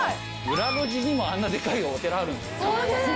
裏路地にもあんなデカいお寺あるんですね。